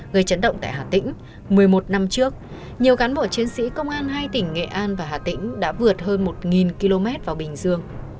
gây chấn động tại hà tĩnh một mươi một năm trước nhiều cán bộ chiến sĩ công an hai tỉnh nghệ an và hà tĩnh đã vượt hơn một km vào bình dương